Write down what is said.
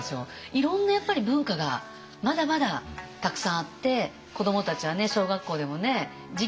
いろんなやっぱり文化がまだまだたくさんあって子どもたちはね小学校でもね時期になるとね